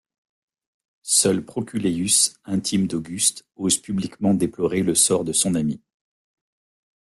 Seul Proculeius, intime d'Auguste, ose publiquement déplorer le sort de son ami.